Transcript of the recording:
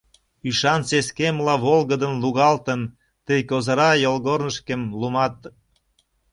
Ӱшан сескемла волгыдын лугалтын, Тый козыра йолгорнышкем лумат.